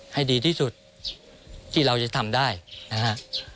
ให้ดีที่สุดที่เราจะทำได้นะฮะ